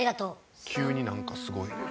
急に何かすごいね。